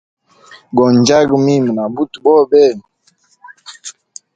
Go njyaga mimi na buti bobe.